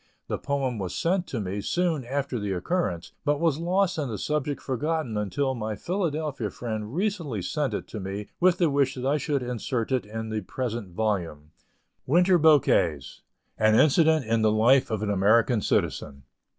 The poem was sent to me soon after the occurrence, but was lost and the subject forgotten until my Philadelphia friend recently sent it to me with the wish that I should insert it in the present volume: WINTER BOUQUETS. AN INCIDENT IN THE LIFE OF AN AMERICAN CITIZEN.